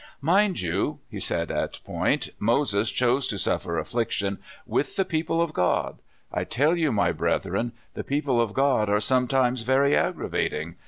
'* Mind you," he said at point, " Moses chose to suffer affliction u^ilh the people of God. I tell you, my brethren, the people of God are sometimes very aggravating.